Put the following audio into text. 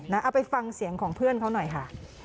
เอาไปฟังเสียงของเพื่อนเขาหน่อยค่ะ